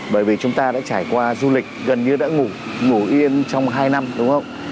bởi vì chúng ta đã trải qua du lịch gần như đã ngủ ngủ yên trong hai năm đúng không